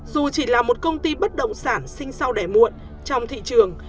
dù chỉ là một công ty bất động sản sinh sau đẻ muộn trong thị trường